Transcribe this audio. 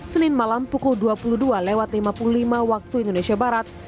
senin malam pukul dua puluh dua lima puluh lima waktu indonesia barat